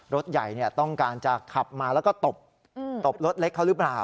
รถใหญ่ต้องการจะขับมาแล้วก็ตบรถเล็กเขาหรือเปล่า